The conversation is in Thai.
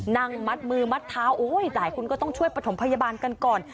นั่งมัดมือมัดเท้าโอ้ยหลายคนก็ต้องช่วยประถมพยาบาลกันก่อน